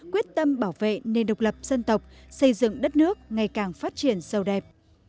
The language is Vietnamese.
quyết tâm bảo vệ nền độc lập dân tộc xây dựng đất nước ngày càng phát triển sâu đẹp